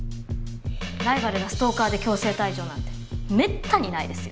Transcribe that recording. ライバルがストーカーで強制退場なんてめったにないですよ。